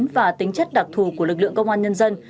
và tính chất đặc thù của lực lượng công an nhân dân